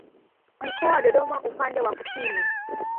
Mkoa wa Dodoma upande wa kusini